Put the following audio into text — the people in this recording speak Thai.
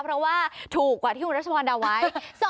เพราะว่าถูกกว่าที่คุณรัชพรเดาไว้